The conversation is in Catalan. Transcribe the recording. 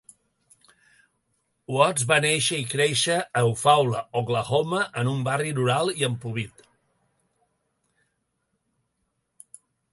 Watts va néixer i créixer a Eufaula, Oklahoma, en un barri rural i empobrit.